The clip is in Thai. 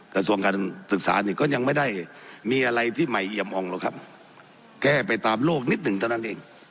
กระทรวงการศึกษาเนี่ยก็ยังไม่ได้มีอะไรที่ใหม่เอียมอ่องหรอกครับแก้ไปตามโลกนิดหนึ่งเท่านั้นเอง